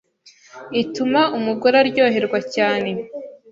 ituma umugore aryoherwa cyane